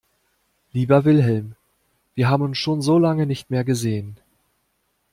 Lieber Wilhelm, wir haben uns schon so lange nicht mehr gesehen.